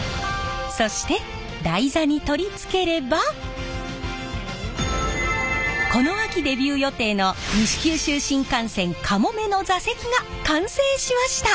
そして台座に取り付ければこの秋デビュー予定の西九州新幹線「かもめ」の座席が完成しました。